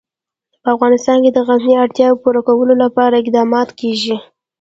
په افغانستان کې د غزني د اړتیاوو پوره کولو لپاره اقدامات کېږي.